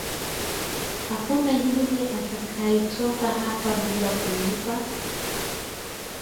Hakuna yule atakayetoka hapa bila kulipa.